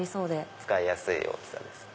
使いやすい大きさです。